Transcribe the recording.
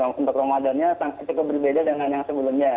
jadi memang kalau untuk ramadannya cukup berbeda dengan yang sebelumnya